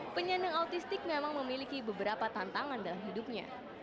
penyandang autistik memang memiliki beberapa tantangan dalam hidupnya